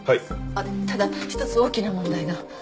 あっただ１つ大きな問題が。